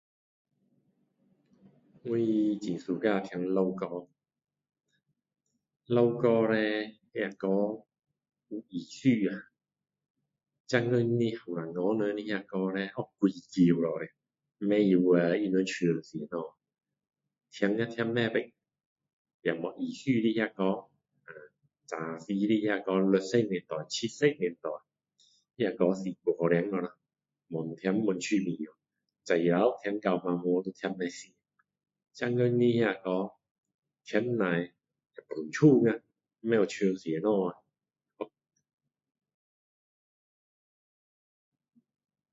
我很喜欢听老歌老歌叻那歌有意思啊现今的年轻人的歌叻像鬼叫那样不知道啊他们唱什么听也听不知道也没有意思的那歌啊早期的那歌60年代70年代那歌是太好听咯越听越有趣掉早上听到晚上都听不腻现今的歌听下会鸡皮疙瘩啊不知道唱什么啊